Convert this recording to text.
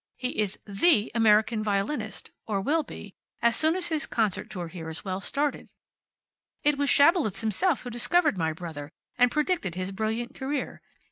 He is THE American violinist or will be, as soon as his concert tour here is well started. It was Schabelitz himself who discovered my brother, and predicted his brilliant career.